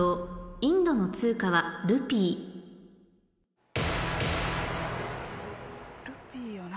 「インドの通貨はルピー」ルピーよな。